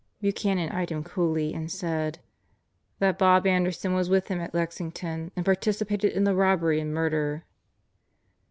Buchanan eyed him coolly and said, "That Bob Anderson was with him at Lexington and participated in the robbery and murder."